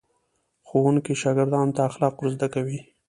ښوونکي شاګردانو ته اخلاق ور زده کوي.